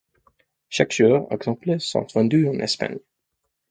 Chaque jour, exemplaires sont vendues en Espagne.